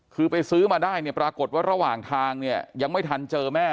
คือไปซื้อมาได้เนี่ยปรากฏว่าระหว่างทางเนี่ยยังไม่ทันเจอแม่